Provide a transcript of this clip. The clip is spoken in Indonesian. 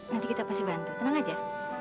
nanti kita pasti bantu tenang aja